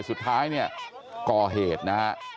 สุดท้ายเนี่ยก่อเหตุนะฮะ